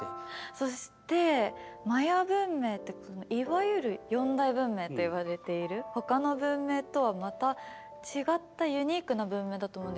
そしてマヤ文明っていわゆる四大文明といわれている他の文明とはまた違ったユニークな文明だと思うんですけど。